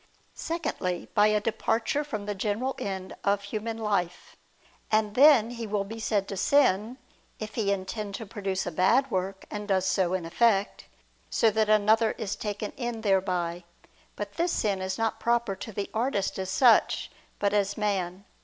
Secondly, by a departure from the general end of human life: and then he will be said to sin, if he intend to produce a bad work, and does so in effect, so that another is taken in thereby. But this sin is not proper to the artist as such, but as man.